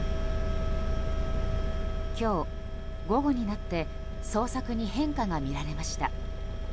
今日、午後になって捜索に変化が見られました。